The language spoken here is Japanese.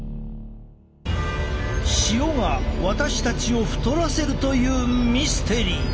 塩が私たちを太らせるというミステリー。